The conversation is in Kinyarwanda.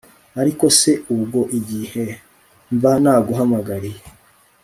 ariko se ubwo igihe mba naguhamagariye